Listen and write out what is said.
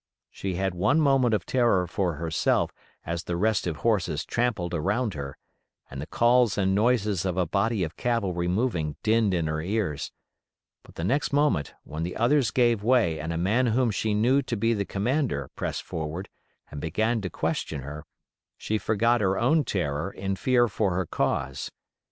She had one moment of terror for herself as the restive horses trampled around her, and the calls and noises of a body of cavalry moving dinned in her ears; but the next moment, when the others gave way and a man whom she knew to be the commander pressed forward and began to question her, she forgot her own terror in fear for her cause.